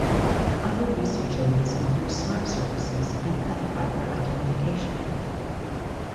Other research areas include smart surfaces and plant fibre identification.